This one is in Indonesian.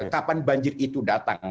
kapan banjir itu datang